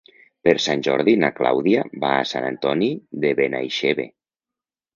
Per Sant Jordi na Clàudia va a Sant Antoni de Benaixeve.